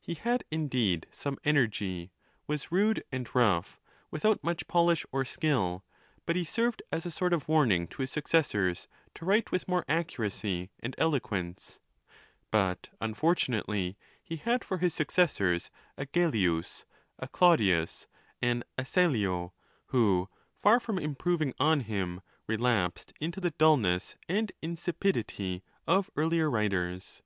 He had, indeed, some energy, was rude and rough, without much polish or skill, but he served as a sort of warning to his suc cessors, to write with more accuracy and eloquence. . But unfortunately he had for his successors a Gellius, a Claudius, an Asellio, who, far from improving on him, relapsed into the dulness and insipidity of earlier writers.